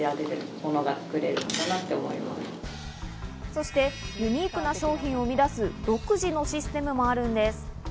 そしてユニークな商品を生み出す独自のシステムもあるんです。